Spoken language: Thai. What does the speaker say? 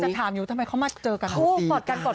ผมจะถามอยู่ทำไมเขามาเจอกับเอฟซี